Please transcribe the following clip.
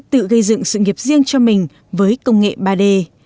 tự gây dựng sự nghiệp riêng cho mình với công nghệ ba d